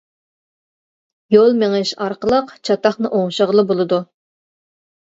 «يول مېڭىش» ئارقىلىق چاتاقنى ئوڭشىغىلى بولىدۇ.